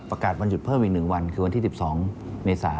ประกาศมันหยุดเพิ่มเป็นหนึ่งวันคือวันที่๑๒เหมศา